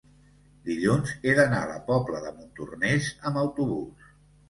dilluns he d'anar a la Pobla de Montornès amb autobús.